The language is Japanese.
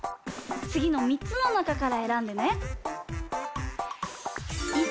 つぎの３つのなかからえらんでね。